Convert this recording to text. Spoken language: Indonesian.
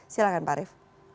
silahkan pak arief